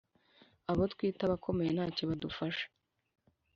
abo twita abakomeye ntacyo badufasha